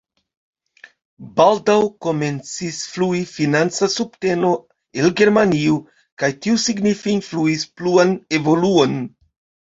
Baldaŭ komencis flui financa subteno el Germanio kaj tio signife influis pluan evoluon.